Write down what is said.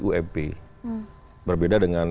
ump berbeda dengan